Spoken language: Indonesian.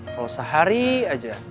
kalo sehari aja